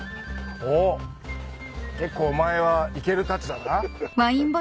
お結構お前は行けるたちだな。